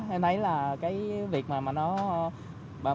em thấy là cái việc mà nó